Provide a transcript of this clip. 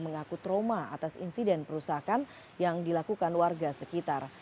mengaku trauma atas insiden perusahaan yang dilakukan warga sekitar